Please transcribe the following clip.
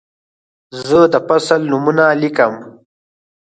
زه د فصل نومونه لیکم.